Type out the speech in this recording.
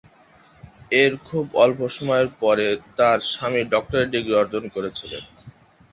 এর খুব অল্প সময়ের পরে, তার স্বামী ডক্টরেট ডিগ্রি অর্জন করেছিলেন।